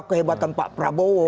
kehebatan pak prabowo